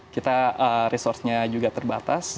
kita resourcenya juga terbatas